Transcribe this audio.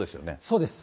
そうです。